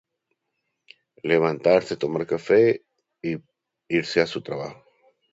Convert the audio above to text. Levantarse, tomar café y... irse a su trabajo.